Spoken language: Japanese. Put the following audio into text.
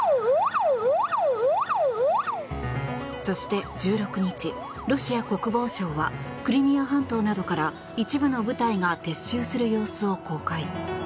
そして１６日、ロシア国防省はクリミア半島などから一部の部隊が撤収する様子を公開。